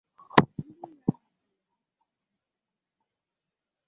Ndị iro ahụ chere na ọ ka dị ndụ ma na-eme ihe ọchị.